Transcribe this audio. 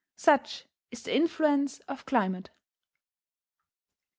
Such is the influence of climate.